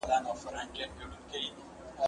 زه اوس ليکنه کوم!.